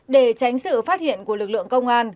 để tránh sự phát hiện của lực lượng công an